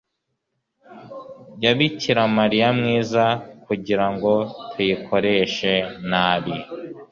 ya Bikira Mariya mwiza kugirango tuyikoreshe nabi